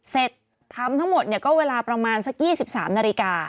เสร็จทำทั้งหมดก็เวลาประมาณสัก๒๓นาฬิกา